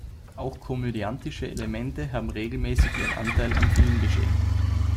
Auch komödiantische Elemente haben regelmäßig ihren Anteil am Filmgeschehen.